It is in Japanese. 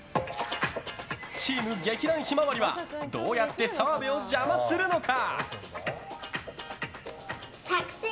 チーム劇団ひまわりはどうやって澤部を邪魔するのか？